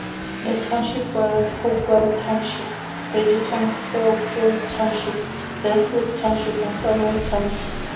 The township borders Hopewell Township, Bridgeton, Fairfield Township, Deerfield Township, and Salem County.